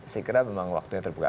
sehingga memang waktunya terbuka